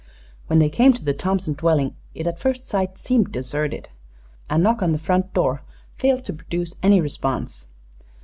When they came to the Thompson dwelling it at first sight seemed deserted. A knock on the front door failed to produce any response.